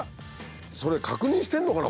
それ確認してるのかな？